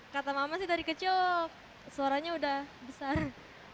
kata mama sih dari kecil suaranya udah besar